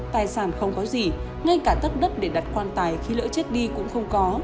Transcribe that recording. tài sản không có gì ngay cả tất đất để đặt quan tài khi lỡ chết đi cũng không có